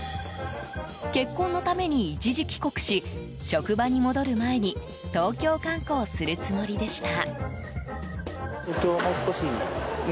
結婚のために一時帰国し職場に戻る前に東京観光するつもりでした。